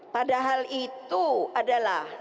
padahal itu adalah